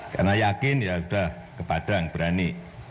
karena yakin ya sudah ke padang berani